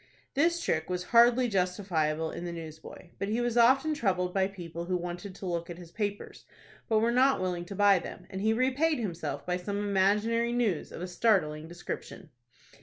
This trick was hardly justifiable in the newsboy; but he was often troubled by people who wanted to look at his papers, but were not willing to buy them, and he repaid himself by some imaginary news of a startling description.